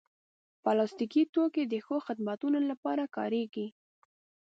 پلاستيکي توکي د ښو خدمتونو لپاره کارېږي.